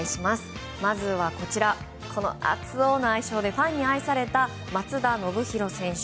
まずはこちら熱男の愛称でファンに愛された松田宣浩選手。